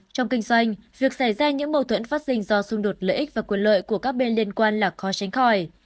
trong kinh doanh việc xảy ra những mâu thuẫn phát sinh do xung đột lợi ích và quyền lợi của các bên liên quan là khó tránh khỏi